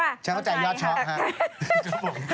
อันนี้ค่ะใช่ค่ะฉันเข้าใจยอดช็อก